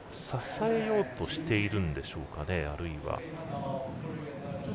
支えようとしているんでしょうかあるいは。